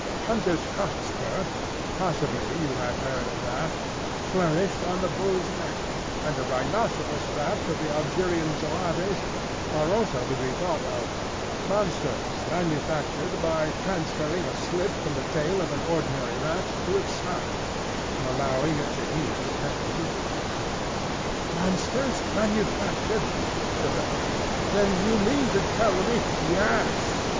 Hunter's cock spur—possibly you have heard of that—flourished on the bull's neck; and the rhinoceros rats of the Algerian zouaves are also to be thought of,—monsters manufactured by transferring a slip from the tail of an ordinary rat to its snout, and allowing it to heal in that position." "Monsters manufactured!" said I. "Then you mean to tell me—" "Yes.